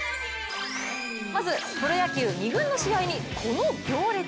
まずプロ野球２軍の試合にこの行列。